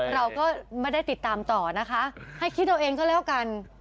เราก็ไม่ได้ติดตามต่อนะคะให้คิดเอาเองก็แล้วกัน